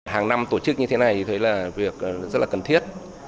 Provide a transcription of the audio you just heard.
hàng năm tổ chức như thế này thì thấy là việc rất là cần thiết